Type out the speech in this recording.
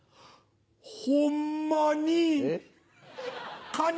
ホンマニ。